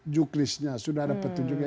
juklisnya sudah ada petunjuknya